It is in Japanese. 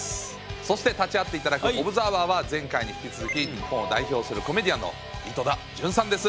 そして立ち会って頂くオブザーバーは前回に引き続き日本を代表するコメディアンの井戸田潤さんです。